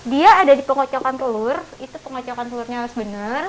dia ada di pengocokan telur itu pengocokan telurnya harus benar